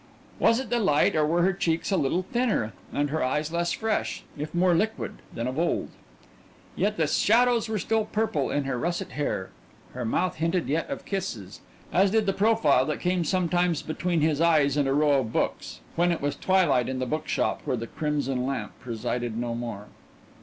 Was it the light or were her cheeks a little thinner and her eyes less fresh, if more liquid, than of old? Yet the shadows were still purple in her russet hair; her mouth hinted yet of kisses, as did the profile that came sometimes between his eyes and a row of books, when it was twilight in the bookshop where the crimson lamp presided no more.